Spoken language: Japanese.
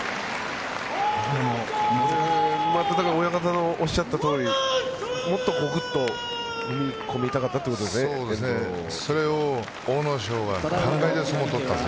親方のおっしゃったとおりもっとぐっと踏み込みたかったそれを阿武咲は体で相撲を取ったんです。